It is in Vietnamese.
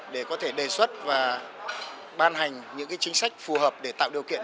để có thể đề xuất và ban hành những chính sách phù hợp để tạo điều kiện